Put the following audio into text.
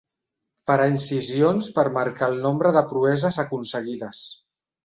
Farà incisions per marcar el nombre de proeses aconseguides.